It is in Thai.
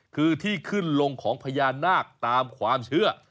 คือที่ขึ้นลงของพญานาคตามความเชื่อ